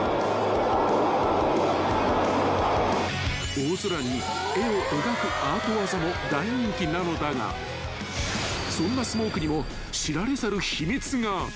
［大空に絵を描くアート技も大人気なのだがそんなスモークにも知られざる秘密が］